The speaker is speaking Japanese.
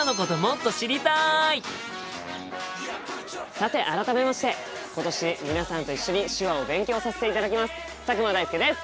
さて改めまして今年皆さんと一緒に手話を勉強させていただきます佐久間大介です！